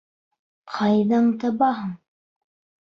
Ҡайҙан табаһың?